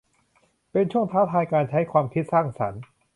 เป็นช่วงท้าทายการใช้ความคิดสร้างสรรค์